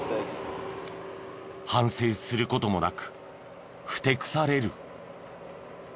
反省する事もなくふてくされる。